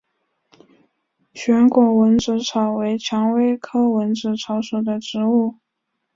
旋果蚊子草为蔷薇科蚊子草属的植物。